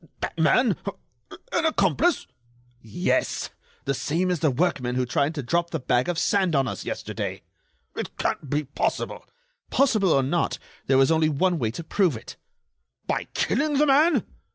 that man ... an accomplice?" "Yes, the same as the workmen who tried to drop the bag of sand on us yesterday." "It can't be possible!" "Possible or not, there was only one way to prove it." "By killing the man?"